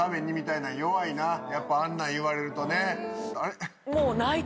やっぱあんなん言われるとね。